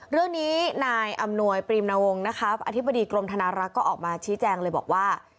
เรื่องนี้นายอำนวยปรีมนวงศ์นะคะอธิบดีกรมธนารักษ์ก็ออกมาชี้แจงเลยบอกว่า